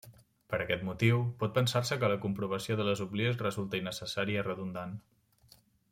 Per aquest motiu, pot pensar-se que la comprovació de les oblies resulta innecessària i redundant.